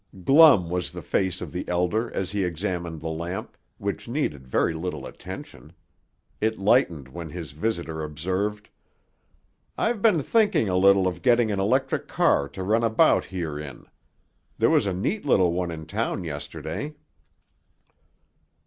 Glum was the face of the Elder as he examined the lamp, which needed very little attention. It lightened when his visitor observed: "I've been thinking a little of getting an electric car, to run about here in. There was a neat little one in town yesterday."